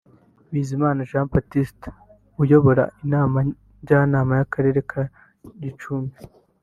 Bizimana Jean Baptiste uyobora inama njyanama y’Akarere ka Gicumbi